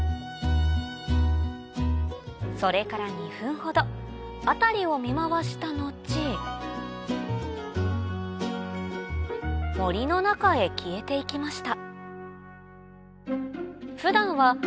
それから２分ほど辺りを見回した後森の中へ消えていきました